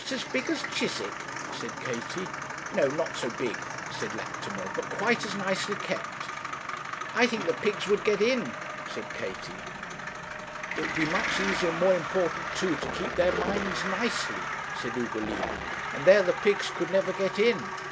as big as Chiswick?' said Katie. 'No; not so big,' said Lactimel; 'but quite as nicely kept.' 'I think the pigs would get in,' said Katie. 'It would be much easier, and more important too, to keep their minds nicely,' said Ugolina; and there the pigs could never get in.'